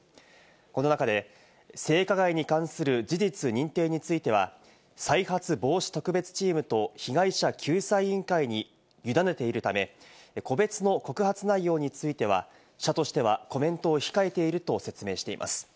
この中で性加害に関する事実認定については、再発防止特別チームと被害者救済委員会に委ねているため、個別の告発内容については、社としてはコメントを控えていると説明しています。